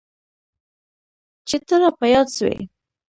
چي ته را په ياد سوې.